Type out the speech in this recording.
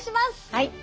はい。